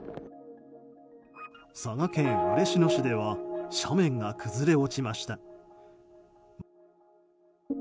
佐賀県嬉野市では斜面が崩れ落ちました。